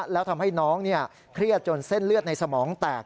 แล้วทำให้น้องเครียดจนเส้นเลือดในสมองแตก